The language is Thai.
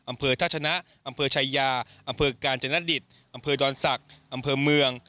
อำเภอท่าชนะอำเภอชายาอำเภอกาญจนดิตอำเภอดอนศักดิ์อำเภอเมือง